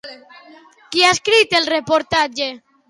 Qui ha escrit el reportatge?